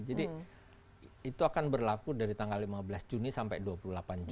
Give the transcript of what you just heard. itu akan berlaku dari tanggal lima belas juni sampai dua puluh delapan juni